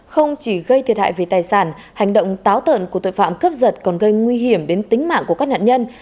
không chỉ gây thiệt hại về tài sản hành động táo tợn của tội phạm cướp giật còn gây nguy hiểm đến tính mạng của các nạn nhân